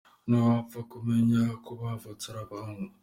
Ntiwapfa kumenya ko bavutse ari abahungu.